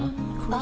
あ！